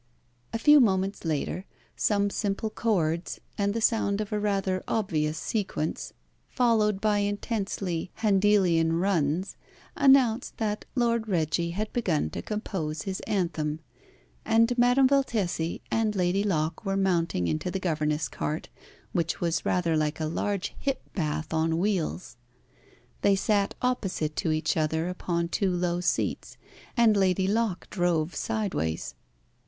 A few moments later some simple chords, and the sound of a rather obvious sequence, followed by intensely Handelian runs, announced that Lord Reggie had begun to compose his anthem, and Madame Valtesi and Lady Locke were mounting into the governess cart, which was rather like a large hip bath on wheels. They sat opposite to each other upon two low seats, and Lady Locke drove sideways.